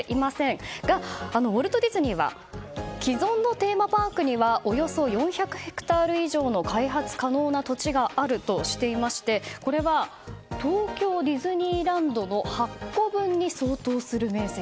しかしウォルト・ディズニーは既存のテーマパークにはおよそ４００ヘクタール以上の開発可能な土地があるとしていましてこれは東京ディズニーランドの８個分に相当する面積。